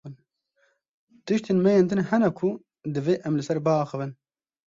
Tiştên me yên din hene ku divê em li ser biaxivin.